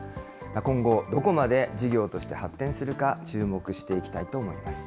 今後、どこまで事業として発展するか、注目していきたいと思いま